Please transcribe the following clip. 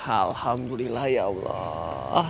alhamdulillah ya allah